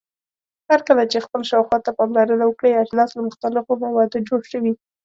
هرکله چې خپل شاوخوا ته پاملرنه وکړئ اجناس له مختلفو موادو جوړ شوي.